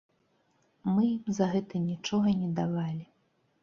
Мы ім за гэта нічога не давалі.